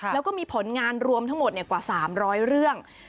แล้วก็มีผลงานรวมทั้งหมดกว่า๓๐๐เรื่อง